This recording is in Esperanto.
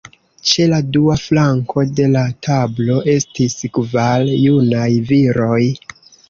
Ĉe la dua flanko de la tablo estis kvar junaj viroj.